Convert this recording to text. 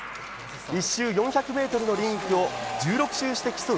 １周４００ｍのリンクを１６周して競う